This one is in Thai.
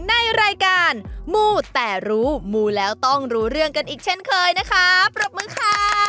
ในรายการมูแต่รู้มูแล้วต้องรู้เรื่องกันอีกเช่นเคยนะคะปรบมือค่ะ